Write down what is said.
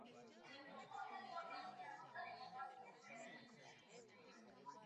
Initially, serial killer Peter Kudzinowski was a suspect in the boy's murder.